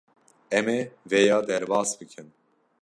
Em ê vêya derbas bikin.